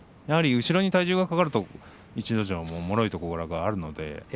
やはり後ろに体重がかかると逸ノ城は重いところがあります。